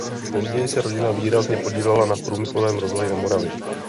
Později se rodina výrazně podílela na průmyslovém rozvoji na Moravě.